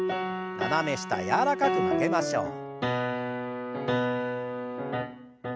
斜め下柔らかく曲げましょう。